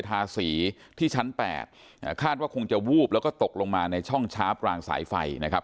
ทาสีที่ชั้นแปดอ่าคาดว่าคงจะวูบแล้วก็ตกลงมาในช่องช้าปรางสายไฟนะครับ